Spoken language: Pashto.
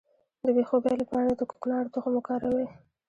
د بې خوبۍ لپاره د کوکنارو تخم وکاروئ